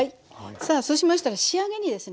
さあそうしましたら仕上げにですね